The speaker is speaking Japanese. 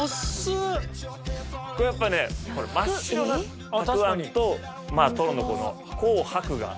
これやっぱね真っ白なたくあんとトロのこの紅白が。